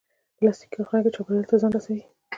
پلاستيکي کارخانې چاپېریال ته زیان رسوي.